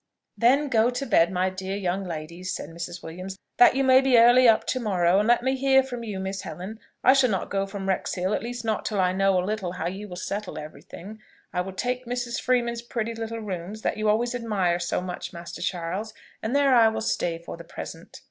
"Then go to bed, my dear young ladies," said Mrs. Williams, "that you may be early up to morrow: and let me hear from you, Miss Helen. I shall not go from Wrexhill, at least not till I know a little how you will settle every thing. I will take Mrs. Freeman's pretty little rooms, that you always admire so much, Master Charles; and there I will stay for the present."